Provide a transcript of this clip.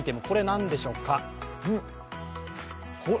これ何でしょうか。